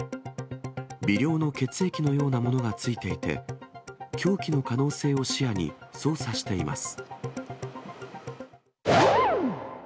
微量の血液のようなものが付いていて、凶器の可能性を視野に、捜査しています。